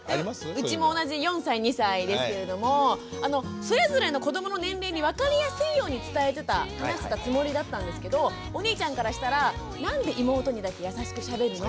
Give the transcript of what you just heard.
うちも同じ４歳２歳ですけれどもそれぞれの子どもの年齢に分かりやすいように伝えてた話してたつもりだったんですけどお兄ちゃんからしたらなんで妹にだけ優しくしゃべるの？